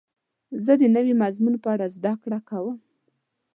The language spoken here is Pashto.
زه د نوي مضمون په اړه زده کړه کوم.